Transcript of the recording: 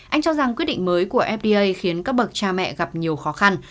anh cho rằng quyết định mới của fda khiến các bậc cha mẹ gặp nhiều khó khăn